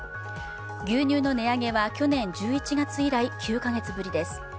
牛乳の値上げは去年１１月以来９か月ぶりです。